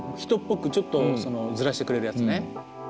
人っぽくちょっとズラしてくれるやつね。